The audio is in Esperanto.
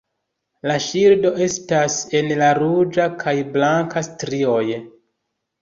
La ŝildo estas en la ruĝa kaj blanka strioj.